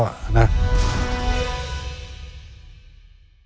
โปรดติดตามตอนต่อไป